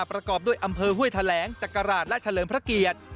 ประกอบด้วยอำเภอห้วยแถลงจักราชและเฉลิมพระเกียรติ